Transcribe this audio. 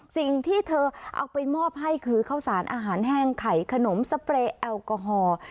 สิ่งที่เธอเอาไปมอบให้คือข้าวสารอาหารแห้งไข่ขนมสเปรย์แอลกอฮอล์